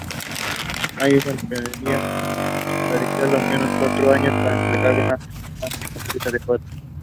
Allison predecía que tardaría al menos cuatro años en entregar una planta motriz adecuada.